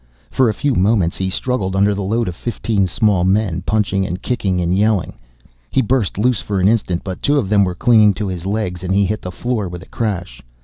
For a few moments he struggled under the load of fifteen small men, punching and kicking and yelling. He burst loose for an instant, but two of them were clinging to his legs and he hit the floor with a crash.